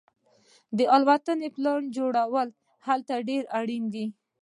د الوتنې پلان جوړول هلته ډیر اړین دي